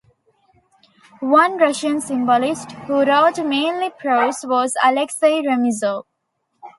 One Russian symbolist who wrote mainly prose was Alexei Remizov.